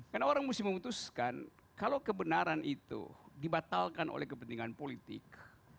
karena orang mesti memutuskan kalau kebenaran itu dibatalkan oleh kepentingan politik